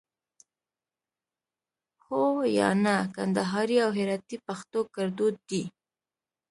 هو 👍 یا 👎 کندهاري او هراتي پښتو کړدود دی